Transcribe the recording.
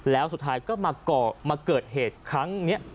แล้วสุดท้ายก็มาเกิดเหตุครั้งนี้